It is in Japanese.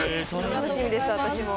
楽しみです、私も。